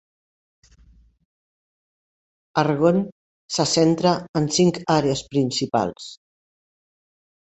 Argonne se centra en cinc àrees principals.